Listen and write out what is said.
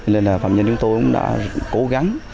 nên là phạm nhân chúng tôi cũng đã cố gắng